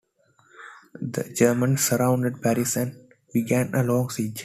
The Germans surrounded Paris and began a long siege.